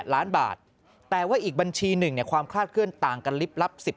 ล้านบาทแต่ว่าอีกบัญชีหนึ่งความคลาดเคลื่อนต่างกันลิบลับ๑๐